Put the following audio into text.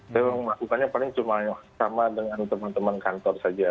saya memang masukannya paling cuma sama dengan teman teman kantor saja